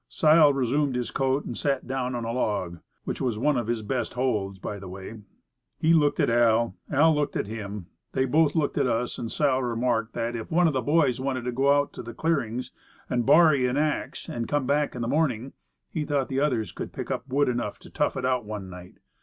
Sile resumed his coat, and sat down on a log which was one of his best holds, by the way. He looked at Al.; Al. looked at him; then both looked at us, and Sile re marked that, if one of the boys wanted to go out to the clearings and "borry" an axe, and come back in the morning, he thought the others could pick up Camp Fire as it Should be, 47 wood enough to tough it out 'one night.